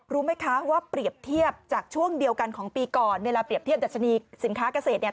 รู้ไหมคะว่าเปรียบเทียบจากช่วงเดียวกันของปีก่อนเวลาเปรียบเทียบดัชนีสินค้าเกษตรเนี่ย